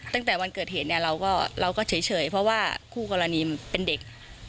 ตั้งแต่วันเกิดเหตุเนี่ยเราก็เฉยเพราะว่าคู่กรณีเป็นเด็ก